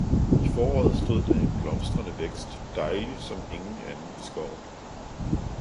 I foråret stod der en blomstrende vækst, dejlig som ingen anden i skoven.